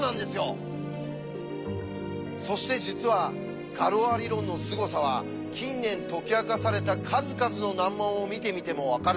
そして実はガロア理論のすごさは近年解き明かされた数々の難問を見てみても分かるんです。